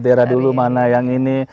daerah dulu mana yang ini